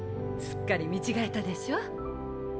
すっかり見違えたでしょ。